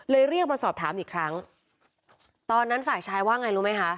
เรียกมาสอบถามอีกครั้งตอนนั้นฝ่ายชายว่าไงรู้ไหมคะ